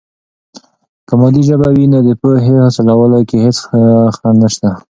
که مادي ژبه وي، نو د پوهې حاصلولو کې هیڅ خنډ نسته.